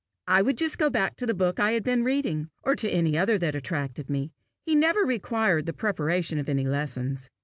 I would just go back to the book I had been reading, or to any other that attracted me: he never required the preparation of any lessons.